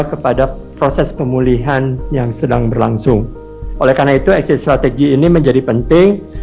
kepada proses pemulihan yang sedang berlangsung oleh karena itu exit strategi ini menjadi penting